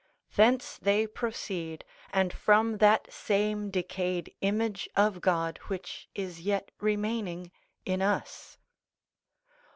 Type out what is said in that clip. thence they proceed, and from that same decayed image of God, which is yet remaining in us.